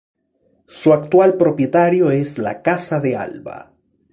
Su actual propietario es la Casa de Alba.